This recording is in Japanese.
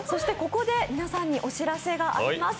ここで皆さんにお知らせがあります。